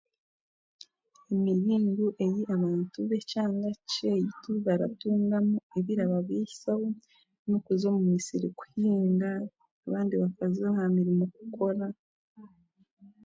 Emiringo ei ebantu b'ekyanga kyaitu baratungamu ebirababeisaho n'okuza omu misiri kuhinga abandi bakaza omu mirimo kukora